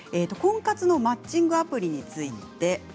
婚活のマッチングアプリについて。